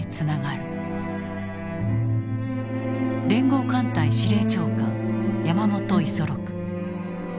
連合艦隊司令長官山本五十六。